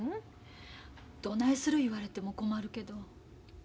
どないする言われても困るけど。